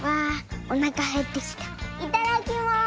いただきます！